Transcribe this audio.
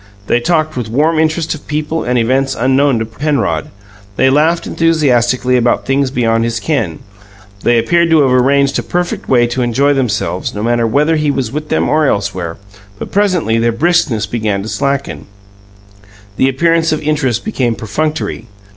They talked with warm interest of people and events unknown to Penrod; they laughed enthusiastically about things beyond his ken; they appeared to have arranged a perfect way to enjoy themselves, no matter whether he was with them or elsewhere but presently their briskness began to slacken; the appearance of interest became perfunctory.